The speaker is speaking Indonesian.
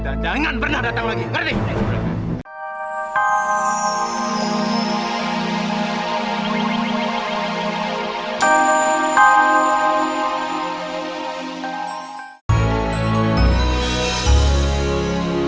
dan jangan pernah datang lagi